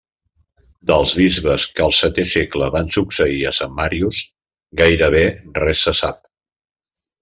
Dels bisbes que al setè segle van succeir a Sant Màrius gairebé res se sap.